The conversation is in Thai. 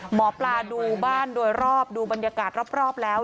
หมอปลาดูบ้านโดยรอบดูบรรยากาศรอบแล้ว